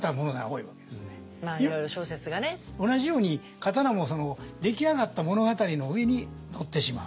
同じように刀も出来上がった物語の上に乗ってしまう。